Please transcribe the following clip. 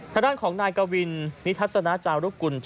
ทางด้านของนายกวินนิทัศนาจารุกุล